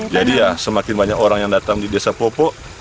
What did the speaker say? ya semakin banyak orang yang datang di desa popok